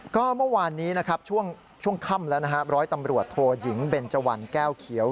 ก็เมื่อวานนี้นะครับช่วงค่ำแล้วนะฮะร้อยตำรวจโทยิงเบนเจวันแก้วเขียว